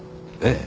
ええ。